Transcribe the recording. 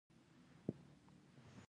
له دښتې د ډول غږ راته.